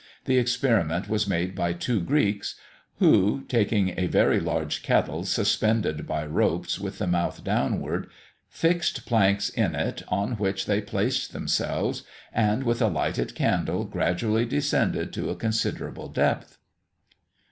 The experiment was made by two Greeks, who, taking a very large kettle suspended by ropes with the mouth downward, fixed planks in it, on which they placed themselves, and with a lighted candle gradually descended to a considerable depth.